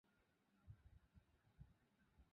লোকসানের কথা আমি ভাবছি নে নীরু।